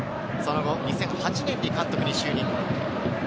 ２００８年に監督に就任。